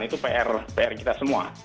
itu pr kita semua